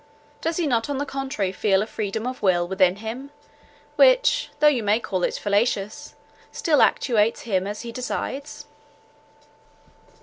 Does he not on the contrary feel a freedom of will within him, which, though you may call it fallacious, still actuates him as he decides?"